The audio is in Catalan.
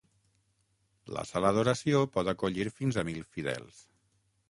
La sala d'oració pot acollir fins a mil fidels.